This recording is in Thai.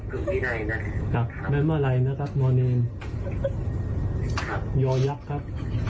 สุพินัยนะครับครับไม้มาลัยนะครับนอนเนนครับยอยักษ์ครับ